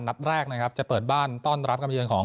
นัดแรกนะครับจะเปิดบ้านต้อนรับการมายืนของ